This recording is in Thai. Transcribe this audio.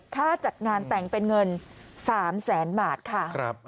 ค่าจัดงานแต่งเป็นเงิน๓แสนบาทค่ะ